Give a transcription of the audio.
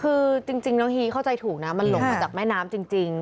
คือจริงน้องฮีเข้าใจถูกนะมันหลงมาจากแม่น้ำจริง